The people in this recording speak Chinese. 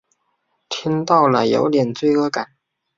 听到了有点罪恶感